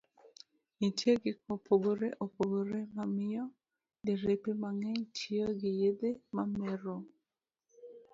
Nitie gik mopogore opogore mamiyo derepe mang'eny tiyo gi yedhe mamero.